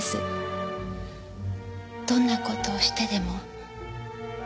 どんな事をしてでも。